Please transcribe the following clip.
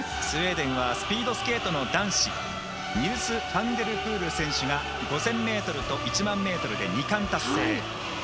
スウェーデンはスピードスケートの男子ファンデルプール選手が５０００ｍと１００００ｍで２冠達成。